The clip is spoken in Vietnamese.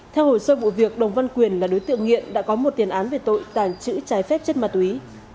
theo hồ sơ vụ việc đồng văn quyền là đối tượng nghiện đã có một tiền án về tội tàng trữ trái phép chất ma túy